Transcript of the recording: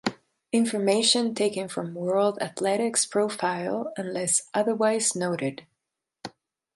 Information taken from World Athletics profile unless otherwise noted.